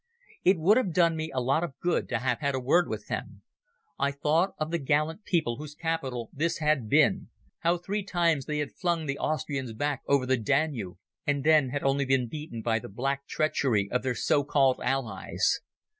It would have done me a lot of good to have had a word with them. I thought of the gallant people whose capital this had been, how three times they had flung the Austrians back over the Danube, and then had only been beaten by the black treachery of their so called allies.